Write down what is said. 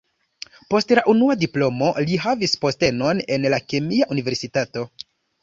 Post la unua diplomo li havis postenon en la kemia universitato.